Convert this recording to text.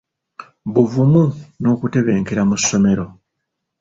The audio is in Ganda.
Buvumu n'Okutebenkera mu ssomero.